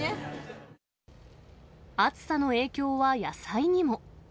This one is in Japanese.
暑さの影響は野菜にも。